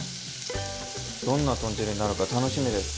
どんな豚汁になるか楽しみです。